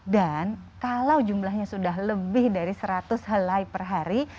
dan kalau jumlahnya sudah lebih dari seratus helai per hari